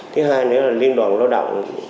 thứ hai nữa là liên đoàn lao động